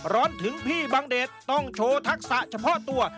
ร้อนถึงพี่บังเดชต้องโชว์ทักษะเฉพาะตัว